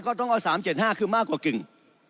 ก็ต้อง๓๗๕ขึ้นมากกว่ากึ่ง